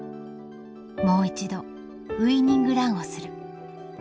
もう一度ウイニングランをする。